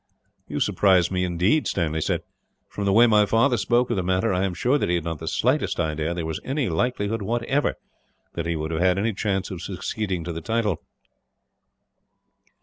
"You surprise me, indeed," Stanley said. "From the way my father spoke of the matter, I am sure that he had not the slightest idea there was any likelihood, whatever, that he would have any chance of succeeding to the title."